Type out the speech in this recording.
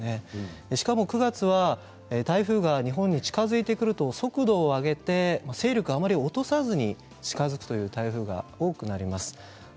しかも９月は台風が日本に近づいてくると速度を上げて勢力を落とさずに近づく台風が多くなります。